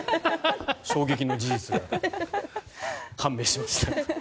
衝撃の事実が判明しました。